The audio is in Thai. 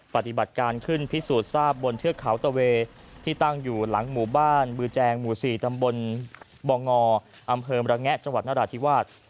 ปฏิบัติการขึ้นพิสูจน์ทราบบนเทือกเขาตะเวที่ตั้งอยู่หลังหมู่บ้านบือแจงหมู่๔ตำบลบ่องออำเภอมระแงะจังหวัดนราธิวาส